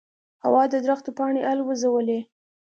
هوا د درختو پاڼې الوزولې.